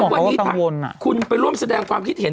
วันนี้คุณไปร่วมแสดงความคิดเห็น